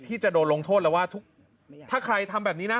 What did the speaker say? ที่จะโดนลงโทษแล้วว่าถ้าใครทำแบบนี้นะ